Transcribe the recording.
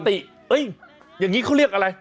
ติอย่างนี้เขาเรียกอะไร